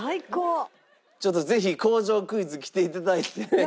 ちょっとぜひ工場クイズ来ていただいてね。